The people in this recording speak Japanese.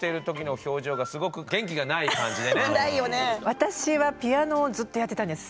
私はピアノをずっとやってたんです。